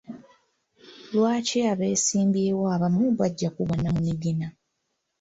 Lwaki abeesimbyewo abamu bajja ku bwannamunigina?